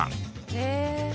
へえ！